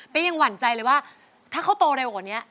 ยังหวั่นใจเลยว่าถ้าเขาโตเร็วกว่านี้